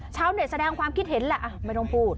ชาวเน็ตแสดงความคิดเห็นแหละไม่ต้องพูด